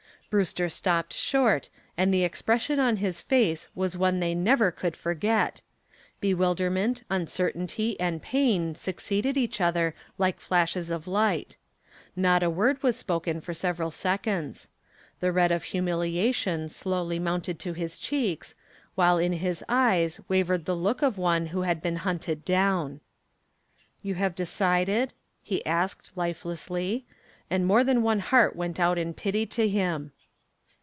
Brewster stopped short and the expression on his face was one they never could forget. Bewilderment, uncertainty and pain succeeded each other like flashes of light. Not a word was spoken for several seconds. The red of humiliation slowly mounted to his cheeks, while in his eyes wavered the look of one who has been hunted down. "You have decided?" he asked lifelessly, and more than one heart went out in pity to him.